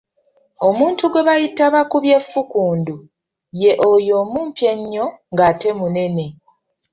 Omuntu gwe bayita Bakubyefukundu ye oyo omumpi ennyo ng’ate munene.